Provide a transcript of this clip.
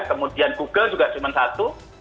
kemudian google juga cuma satu